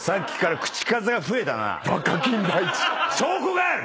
証拠がある！